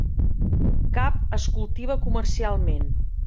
Cap es cultiva comercialment.